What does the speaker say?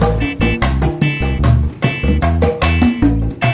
ya udah berkeluarga